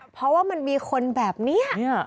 เพราะว่ามันมีคนแบบนี้